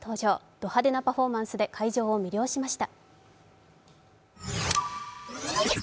ド派手なパフォーマンスで会場を魅了しました。